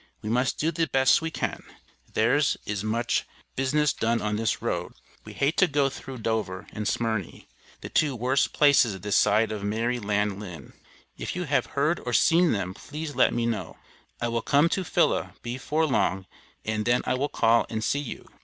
We must do the bes we can, ther is much Bisness dun on this Road. We hay to go throw dover and smerny, the two wors places this sid of mary land lin. If you have herd or sean them ples let me no. I will Com to Phila be for long and then I will call and se you.